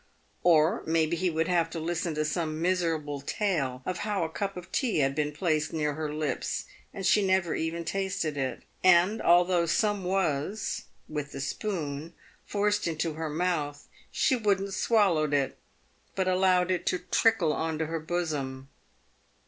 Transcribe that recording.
Or maybe he would have to listen to some miserable tale of how a cup of tea had been placed near her lips, and she never even tasted it, and although some was, with the spoon, forced into her mouth, she wouldn't swallow it, but allowed it to trickle on to her bosom.